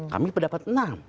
kami berdapat enam